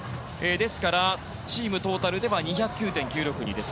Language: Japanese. ですから、チームトータルでは２０９．９６２です。